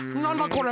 これ。